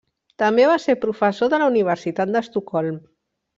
També va ser professor de la Universitat d'Estocolm.